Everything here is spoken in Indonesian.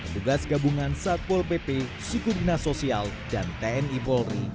tugas gabungan satpol pp sikudina sosial dan tni polri